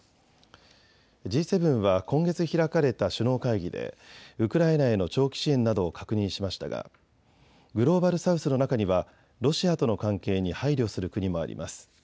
Ｇ７は今月開かれた首脳会議でウクライナへの長期支援などを確認しましたがグローバル・サウスの中にはロシアとの関係に配慮する国もあります。